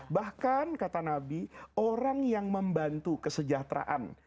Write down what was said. bahkan kata nabi orang yang membantu kesejahteraan